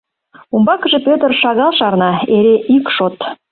Умбакыже Пӧтыр шагал шарна, эре ик шот.